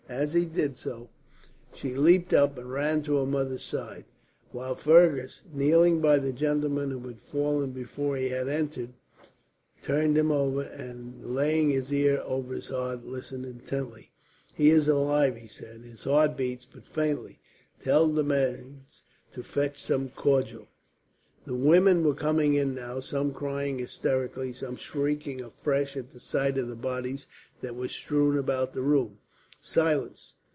As he did so, she leapt up and ran to her mother's side; while Fergus, kneeling by the gentleman who had fallen before he had entered, turned him over and, laying his ear over his heart, listened intently. "He is alive," he said. "His heart beats, but faintly. Tell the maids to fetch some cordial." The women were coming in now, some crying hysterically, some shrieking afresh at the sight of the bodies that were strewn about the room. "Silence!"